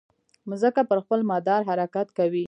مځکه پر خپل مدار حرکت کوي.